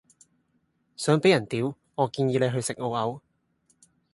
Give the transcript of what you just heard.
想俾人屌，我建議你去食澳牛